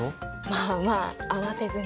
まあまあ慌てずに。